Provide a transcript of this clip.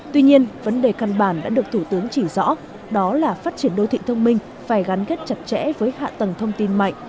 tuy nhiên vấn đề căn bản đã được thủ tướng chỉ rõ đó là phát triển đô thị thông minh phải gắn kết chặt chẽ với hạ tầng thông tin mạnh